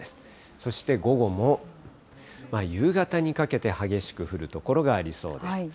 そして午後も、夕方にかけて激しく降る所がありそうです。